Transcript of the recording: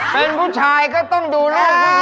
เป็นผู้ชายก็ต้องดูเล่าผู้หญิง